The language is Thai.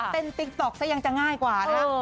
เต้นติ๊กต๊อกซะยังจะง่ายกว่านะเออ